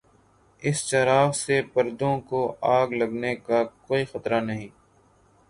اس چراغ سے پردوں کو آگ لگنے کا کوئی خطرہ نہیں۔